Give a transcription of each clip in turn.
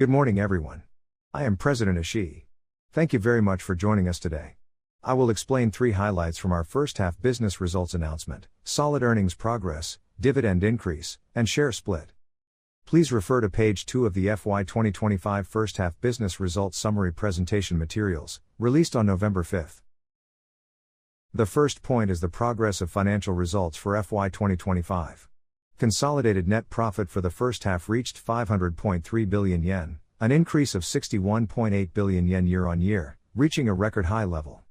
Good morning, everyone. I am President Ishii. Thank you very much for joining us today. I will explain three highlights from our first-half business results announcement: solid earnings progress, dividend increase, and share split. Please refer to page two of the FY 2025 first-half business results summary presentation materials, released on November 5th. The first point is the progress of financial results for FY 2025. Consolidated net profit for the first half reached 500.3 billion yen, an increase of 61.8 billion yen year-on-year, reaching a record high level.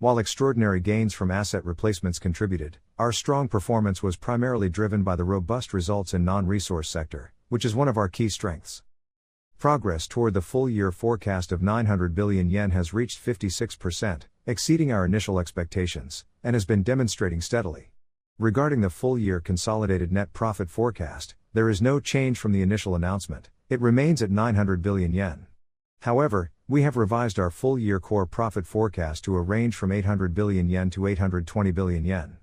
While extraordinary gains from asset replacements contributed, our strong performance was primarily driven by the robust results in the non-resource sector, which is one of our key strengths. Progress toward the full-year forecast of 900 billion yen has reached 56%, exceeding our initial expectations, and has been demonstrating steadily. Regarding the full-year consolidated net profit forecast, there is no change from the initial announcement. It remains at 900 billion yen. However, we have revised our full-year core profit forecast to a range from 800 billion-820 billion yen.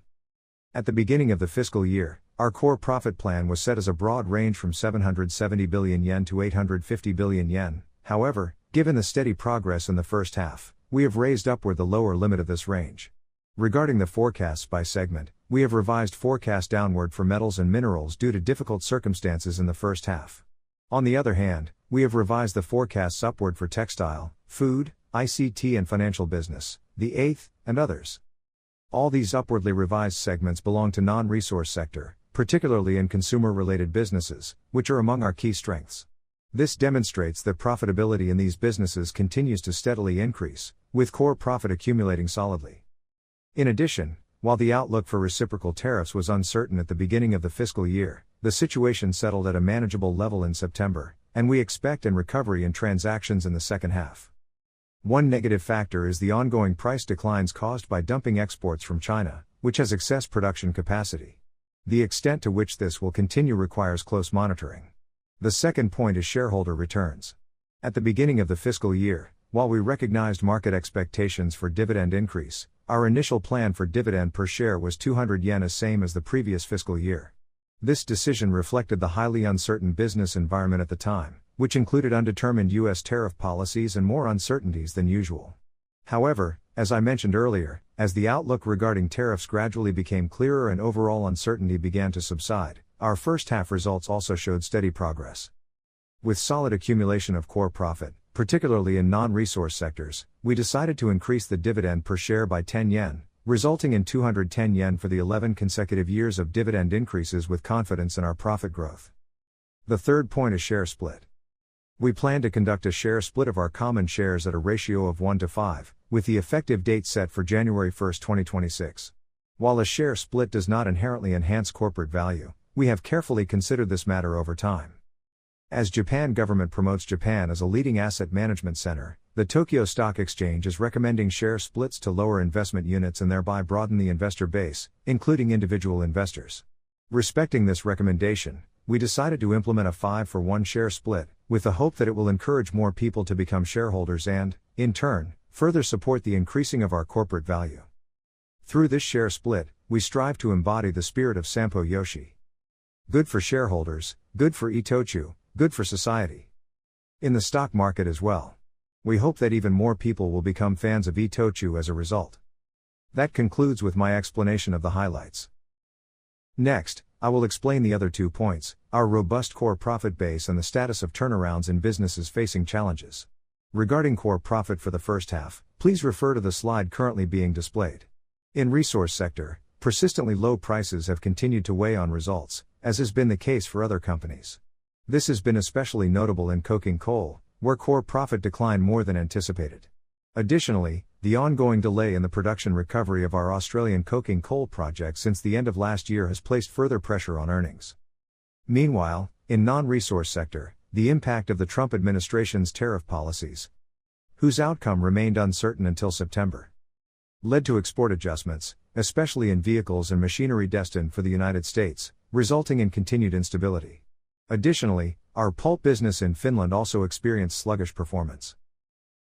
At the beginning of the fiscal year, our core profit plan was set as a broad range from 770 billion-850 billion yen. However, given the steady progress in the first half, we have raised upward the lower limit of this range. Regarding the forecasts by segment, we have revised forecasts downward for metals and minerals due to difficult circumstances in the first half. On the other hand, we have revised the forecasts upward for textile, food, ICT, and financial business, the eighth, and others. All these upwardly revised segments belong to the non-resource sector, particularly in consumer-related businesses, which are among our key strengths. This demonstrates that profitability in these businesses continues to steadily increase, with core profit accumulating solidly. In addition, while the outlook for reciprocal tariffs was uncertain at the beginning of the fiscal year, the situation settled at a manageable level in September, and we expect a recovery in transactions in the second half. One negative factor is the ongoing price declines caused by dumping exports from China, which has excess production capacity. The extent to which this will continue requires close monitoring. The second point is shareholder returns. At the beginning of the fiscal year, while we recognized market expectations for dividend increase, our initial plan for dividend per share was 200 yen, the same as the previous fiscal year. This decision reflected the highly uncertain business environment at the time, which included undetermined U.S. tariff policies and more uncertainties than usual. However, as I mentioned earlier, as the outlook regarding tariffs gradually became clearer and overall uncertainty began to subside, our first-half results also showed steady progress. With solid accumulation of core profit, particularly in non-resource sectors, we decided to increase the dividend per share by 10 yen, resulting in 210 yen for the 11 consecutive years of dividend increases with confidence in our profit growth. The third point is share split. We plan to conduct a share split of our common shares at a ratio of 1:5, with the effective date set for January 1, 2026. While a share split does not inherently enhance corporate value, we have carefully considered this matter over time. As the Japan government promotes Japan as a leading asset management center, the Tokyo Stock Exchange is recommending share splits to lower investment units and thereby broaden the investor base, including individual investors. Respecting this recommendation, we decided to implement a 5-for-1 share split, with the hope that it will encourage more people to become shareholders and, in turn, further support the increasing of our corporate value. Through this share split, we strive to embody the spirit of Sanpo yoshi: good for shareholders, good for ITOCHU Corporation, good for society, in the stock market as well. We hope that even more people will become fans of ITOCHU Corporation as a result. That concludes with my explanation of the highlights. Next, I will explain the other two points: our robust core profit base and the status of turnarounds in businesses facing challenges. Regarding core profit for the first half, please refer to the slide currently being displayed. In the resource sector, persistently low prices have continued to weigh on results, as has been the case for other companies. This has been especially notable in coking coal, where core profit declined more than anticipated. Additionally, the ongoing delay in the production recovery of our Australian coking coal project since the end of last year has placed further pressure on earnings. Meanwhile, in the non-resource sector, the impact of the Trump administration's tariff policies, whose outcome remained uncertain until September, led to export adjustments, especially in vehicles and machinery destined for the United States, resulting in continued instability. Additionally, our pulp business in Finland also experienced sluggish performance.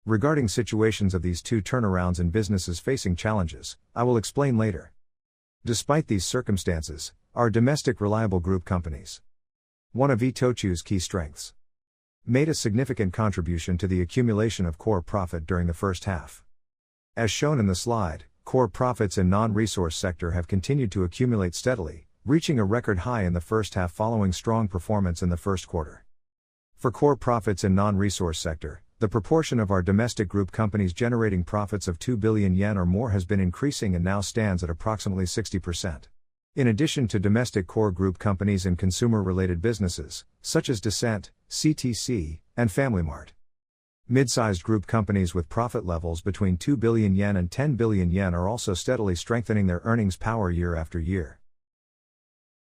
Regarding the situations of these two turnarounds in businesses facing challenges, I will explain later. Despite these circumstances, our domestic reliable group companies, one of ITOCHU Corporation key strengths, made a significant contribution to the accumulation of core profit during the first half. As shown in the slide, core profits in the non-resource sector have continued to accumulate steadily, reaching a record high in the first half following strong performance in the first quarter. For core profits in the non-resource sector, the proportion of our domestic group companies generating profits of 2 billion yen or more has been increasing and now stands at approximately 60%. In addition to domestic core group companies in consumer-related businesses, such as DESCENTE, CTC, and FamilyMart, mid-sized group companies with profit levels between 2 billion-10 billion yen are also steadily strengthening their earnings power year-after-year.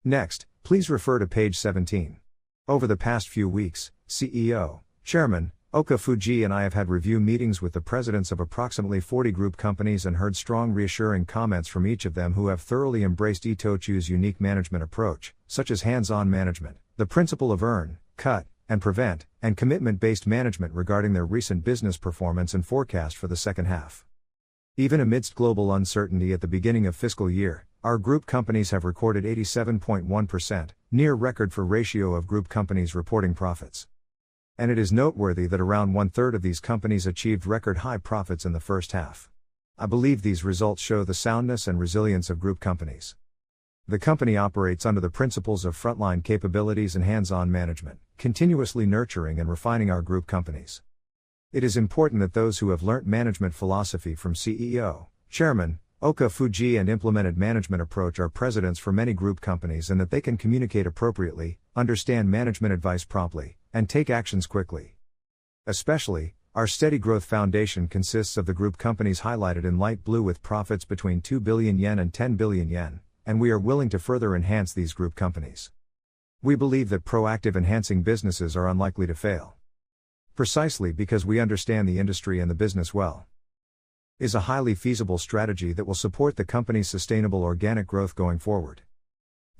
Next, please refer to page 17. Over the past few weeks, CEO, Chairman, Masahiro Okafuji and I have had review meetings with the presidents of approximately 40 group companies and heard strong reassuring comments from each of them who have thoroughly embraced ITOCHU Corporation's unique management approach, such as hands-on management, the principle of earn, cut, and prevent, and commitment-based management regarding their recent business performance and forecast for the second half. Even amidst global uncertainty at the beginning of the fiscal year, our group companies have recorded an 87.1%, near-record-for ratio of group companies reporting profits. It is noteworthy that around one-third of these companies achieved record-high profits in the first half. I believe these results show the soundness and resilience of group companies. The company operates under the principles of frontline capabilities and hands-on management, continuously nurturing and refining our group companies. It is important that those who have learned management philosophy from CEO, Chairman, Masahiro Okafuji and implemented the management approach of our presidents for many group companies and that they can communicate appropriately, understand management advice promptly, and take actions quickly. Especially, our steady growth foundation consists of the group companies highlighted in light blue with profits between 2 billion-10 billion yen, and we are willing to further enhance these group companies. We believe that proactive enhancing businesses are unlikely to fail, precisely because we understand the industry and the business well. It is a highly feasible strategy that will support the company's sustainable organic growth going forward.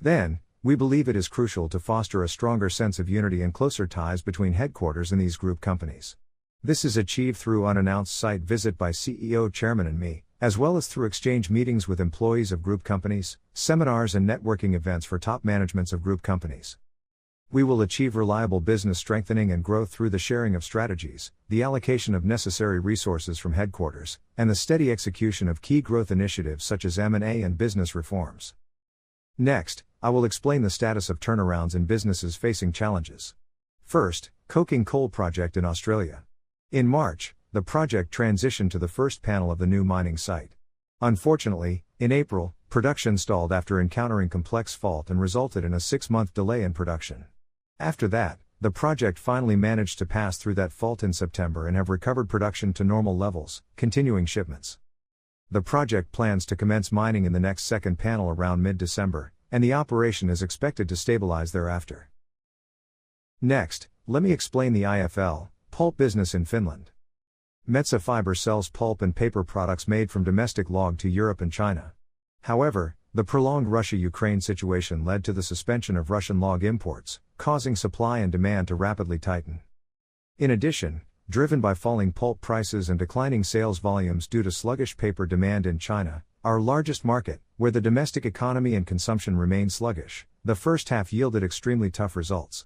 We believe it is crucial to foster a stronger sense of unity and closer ties between headquarters and these group companies. This is achieved through an unannounced site visit by the CEO, Chairman, and me, as well as through exchange meetings with employees of group companies, seminars, and networking events for top managements of group companies. We will achieve reliable business strengthening and growth through the sharing of strategies, the allocation of necessary resources from headquarters, and the steady execution of key growth initiatives such as M&A and business reforms. Next, I will explain the status of turnarounds in businesses facing challenges. First, the coking coal project in Australia. In March, the project transitioned to the first panel of the new mining site. Unfortunately, in April, production stalled after encountering a complex fault and resulted in a six-month delay in production. After that, the project finally managed to pass through that fault in September and has recovered production to normal levels, continuing shipments. The project plans to commence mining in the next second panel around mid-December, and the operation is expected to stabilize thereafter. Next, let me explain the IFL, pulp business in Finland. Metsä Fibre sells pulp and paper products made from domestic logs to Europe and China. However, the prolonged Russia-Ukraine situation led to the suspension of Russian log imports, causing supply and demand to rapidly tighten. In addition, driven by falling pulp prices and declining sales volumes due to sluggish paper demand in China, our largest market, where the domestic economy and consumption remain sluggish, the first half yielded extremely tough results.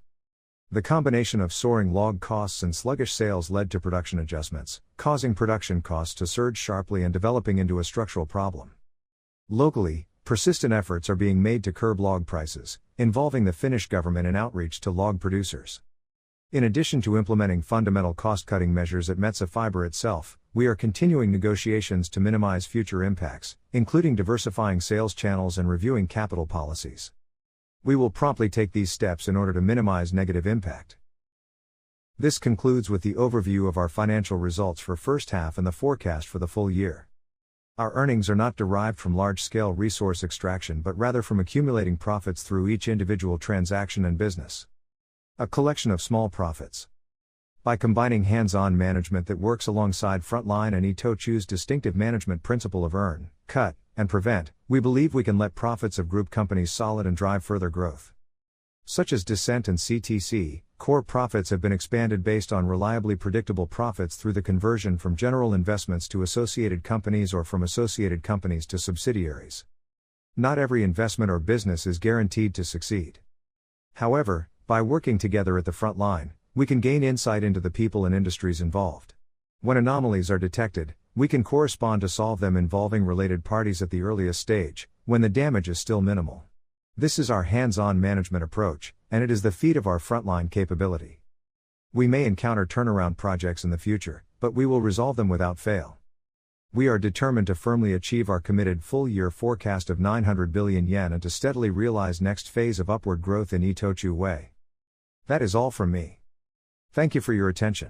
The combination of soaring log costs and sluggish sales led to production adjustments, causing production costs to surge sharply and developing into a structural problem. Locally, persistent efforts are being made to curb log prices, involving the Finnish government and outreach to log producers. In addition to implementing fundamental cost-cutting measures at Metsä Fibre itself, we are continuing negotiations to minimize future impacts, including diversifying sales channels and reviewing capital policies. We will promptly take these steps in order to minimize negative impact. This concludes with the overview of our financial results for the first half and the forecast for the full year. Our earnings are not derived from large-scale resource extraction but rather from accumulating profits through each individual transaction and business. A collection of small profits. By combining hands-on management that works alongside frontline and ITOCHU Corporation's distinctive management principle of earn, cut, and prevent, we believe we can let profits of group companies solid and drive further growth. Such as DESCENTE and CTC, core profits have been expanded based on reliably predictable profits through the conversion from general investments to associated companies or from associated companies to subsidiaries. Not every investment or business is guaranteed to succeed. However, by working together at the frontline, we can gain insight into the people and industries involved. When anomalies are detected, we can correspond to solve them involving related parties at the earliest stage, when the damage is still minimal. This is our hands-on management approach, and it is the feat of our frontline capability. We may encounter turnaround projects in the future, but we will resolve them without fail. We are determined to firmly achieve our committed full-year forecast of 900 billion yen and to steadily realize the next phase of upward growth in ITOCHU Corporation That is all from me. Thank you for your attention.